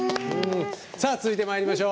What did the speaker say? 続いてまいりましょう。